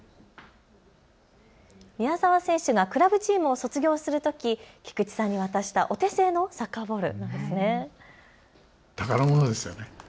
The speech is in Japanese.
宮澤選手がクラブチームを卒業するとき菊池さんに渡したお手製のサッカーボール。